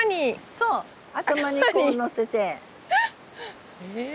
そう頭にこうのせて。へ。